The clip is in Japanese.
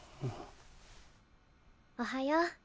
おはよう。